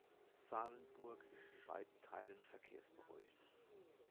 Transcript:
Sahlenburg ist in weiten Teilen verkehrsberuhigt.